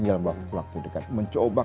dalam waktu dekat mencoba